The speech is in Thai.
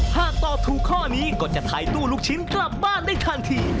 หากตอบถูกข้อนี้ก็จะถ่ายตู้ลูกชิ้นกลับบ้านได้ทันที